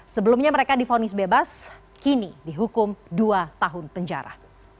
sebelumnya mereka difonis bebas kini dihukum dua tahun penjara